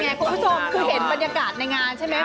เป็นยังไงคุณผู้ชมคือเห็นบรรยากาศในงานใช่ไหม